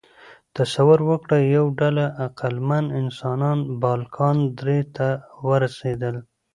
تصور وکړئ، یوه ډله عقلمن انسانان بالکان درې ته ورسېدل.